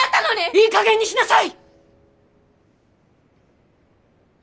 いいかげんにしなさい！